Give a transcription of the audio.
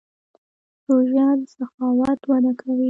روژه د سخاوت وده کوي.